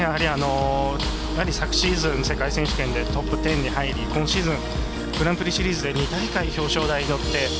昨シーズン世界選手権でトップ１０に入り今シーズングランプリシリーズで２大会表彰台に乗って。